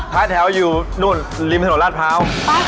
ท้ายแถวอยู่นู่นริมถนนราชพร้าว